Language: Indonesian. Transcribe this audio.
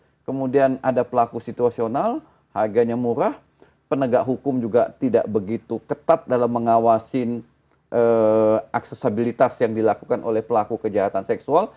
jadi akses kemudian ada pelaku situasional harganya murah penegak hukum juga tidak begitu ketat dalam mengawasi aksesabilitas yang dilakukan oleh pelaku kejahatan seksual